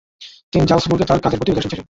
তিনি জালৎসবুর্গে তার কাজের প্রতি উদাসীন ছিলেন।